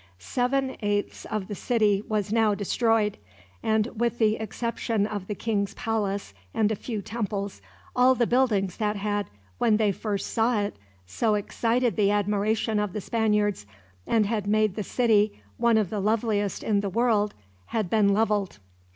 Seven eighths of the city was now destroyed; and with the exception of the king's palace and a few temples, all the buildings that had, when they first saw it, so excited the admiration of the Spaniards, and had made the city one of the loveliest in the world, had been leveled.